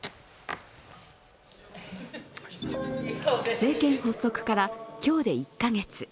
政権発足から今日で１カ月。